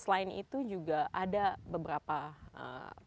selain itu juga ada beberapa penelitian